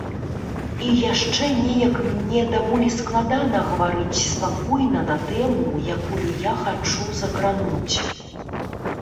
І яшчэ неяк мне даволі складана гаварыць спакойна на тэму, якую я хачу закрануць.